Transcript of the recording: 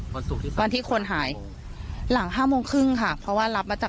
วันที่คนหายหลังห้าโมงครึ่งค่ะเพราะว่ารับมาจาก